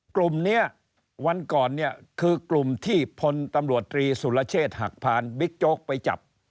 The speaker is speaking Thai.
กลุ่มนี้วันก่อนเนี่ยคือกลุ่มที่พลตำรวจตรีสุรเชษฐ์หักพานบิ๊กโจ๊กไปจับ